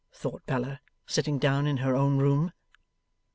thought Bella, sitting down in her own room.